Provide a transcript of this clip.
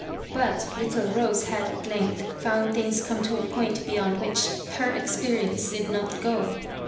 Bui little Rose had at length found things come to a point beyond which her experience did not go.